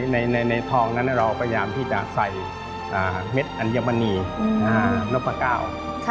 ในทองนั้นเราพยายามที่จะใส่เม็ดอัญมณีนพก้าว